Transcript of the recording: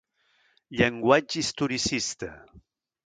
Llenguatge historicista.